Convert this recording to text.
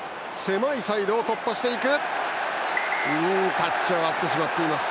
タッチを割ってしまっています。